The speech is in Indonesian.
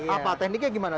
apa tekniknya gimana